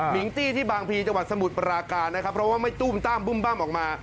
มิงตี้ที่บางพีจังหวัดสมุทรปราการนะครับเพราะว่าไม่ตุ้มตั้มบุ้มบั้มออกมา